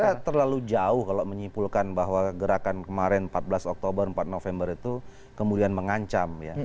saya terlalu jauh kalau menyimpulkan bahwa gerakan kemarin empat belas oktober empat november itu kemudian mengancam ya